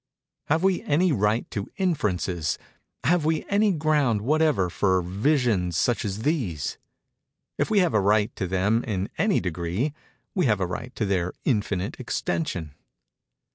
Have we any right to inferences—have we any ground whatever for visions such as these? If we have a right to them in any degree, we have a right to their infinite extension.